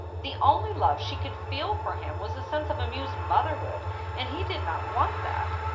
The only love she could feel for him was a sense of amused motherhood, and he did not want that.